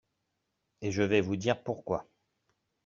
et je vais vous dire pourquoi.